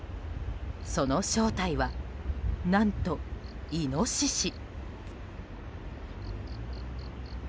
その正体は何とイノシシ。